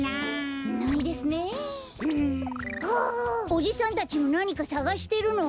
おじさんたちもなにかさがしてるの？